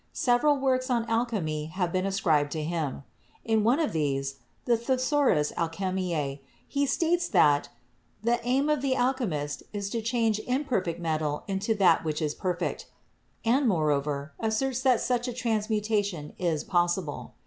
Several works on alchemy have been ascribed to him. In one of these, the "Thesaurus Alchemiae," he states that "the aim of the alchemist is to change imperfect metal into that which is perfect," and, moreover, asserts that such a trans mutation is possible.